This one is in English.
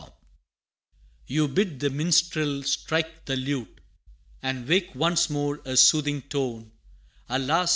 [A] You bid the minstrel strike the lute, And wake once more a soothing tone Alas!